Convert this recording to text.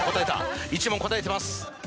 １問答えてます。